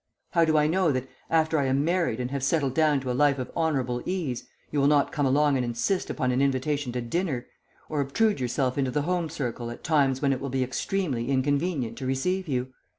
How do I know that, after I am married and have settled down to a life of honourable ease, you will not come along and insist upon an invitation to dinner; or obtrude yourself into the home circle at times when it will be extremely inconvenient to receive you?